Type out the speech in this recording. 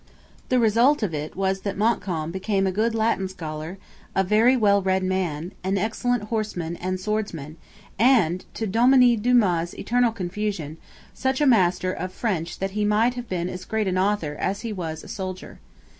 The result of it all was that Montcalm became a good Latin scholar, a very well read man, an excellent horseman and swordsman, and to dominie Dumas's eternal confusion such a master of French that he might have been as great an author as he was a soldier.